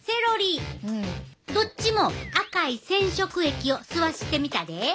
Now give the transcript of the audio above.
どっちも赤い染色液を吸わしてみたで。